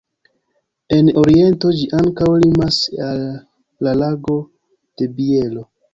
En oriento ĝi ankaŭ limas al la Lago de Bielo.